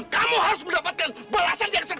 kamu harus mendapatkan balasan yang setimpal